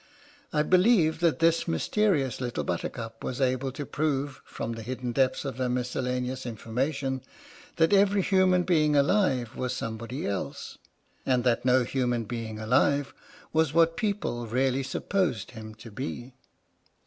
I believe that this mysterious Little Buttercup was able to prove, from the hidden depths of her miscellaneous information, that every human being alive was somebody else, and that no human being alive was what people really supposed him to be.